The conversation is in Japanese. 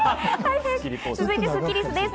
続いてスッキりすです。